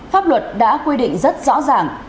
pháp luật đã quy định rất rõ ràng